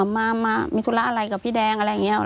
มามีธุระอะไรกับพี่แดงอะไรอย่างนี้